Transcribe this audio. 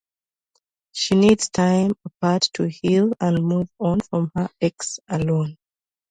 She needs time apart to heal and move on from her ex alone.